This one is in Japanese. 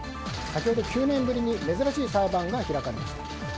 先ほど９年ぶりに珍しい裁判が開かれました。